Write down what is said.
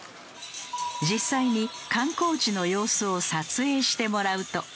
実際に観光地の様子を撮影してもらうと。